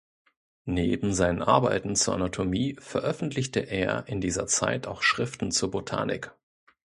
Neben seinen Arbeiten zur Anatomie veröffentlichte er in dieser Zeit auch Schriften zur Botanik.